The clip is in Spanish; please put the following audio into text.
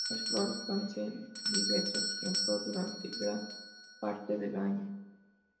Las flores pueden ser vistos en flor durante gran parte del año.